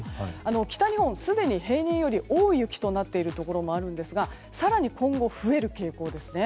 北日本、すでに平年より多い雪となっているところもあるんですが更に今後、増える傾向ですね。